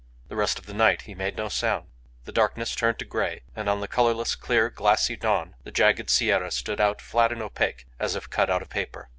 The rest of the night he made no sound. The darkness turned to grey, and on the colourless, clear, glassy dawn the jagged sierra stood out flat and opaque, as if cut out of paper.